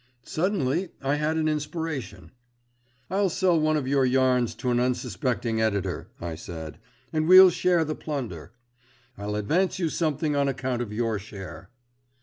Suddenly I had an inspiration. "I'll sell one of your yarns to an unsuspecting editor," I said, "and we'll share the plunder. I'll advance you something on account of your share."